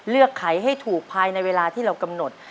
ไขให้ถูกภายในเวลาที่เรากำหนด